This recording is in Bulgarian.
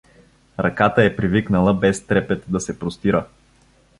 Ръката е привикнала без трепет да се простира.